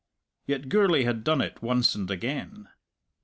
Yet Gourlay had done it once and again.